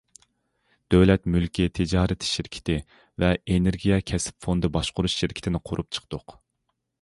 دۆلەت مۈلكى تىجارىتى شىركىتى ۋە ئېنېرگىيە كەسىپ فوندىنى باشقۇرۇش شىركىتىنى قۇرۇپ چىقتۇق.